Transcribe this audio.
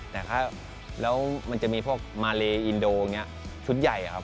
แล้วมันจะมีพวกมาเลอินโดชุดใหญ่ครับ